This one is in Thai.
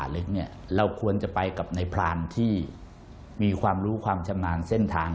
เล็กเนี่ยเราควรจะไปกับในพรานที่มีความรู้ความชำนาญเส้นทาง